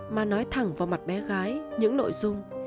mà nói thẳng vào mặt bé gái những nội dung